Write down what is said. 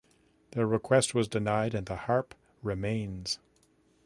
The request was denied and the harp remains.